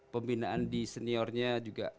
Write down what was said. pembinaan di seniornya juga